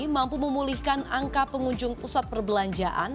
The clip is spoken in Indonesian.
mampu memulihkan angka pengunjung pusat perbelanjaan